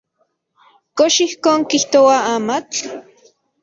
¿Kox ijkon kijtoa amatl?